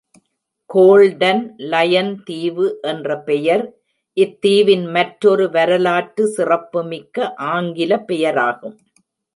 Golden lion தீவு என்ற பெயர் இத்தீவின் மற்றொரு வரலாற்று சிறப்புமிக்க ஆங்கில பெயராகும்.